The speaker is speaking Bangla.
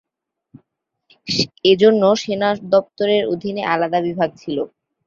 এজন্য সেনা দপ্তরের অধীনে আলাদা বিভাগ ছিল।